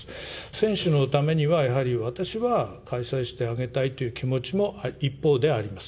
選手のためには、やはり私は、開催してあげたいという気持ちも一方ではあります。